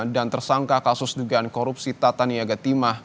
dan tersangka kasus dugaan korupsi tad tania gatimah